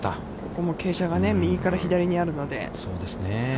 ここも傾斜が右から左にあるので。